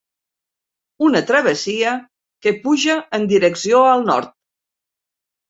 Una travessia que puja en direcció al nord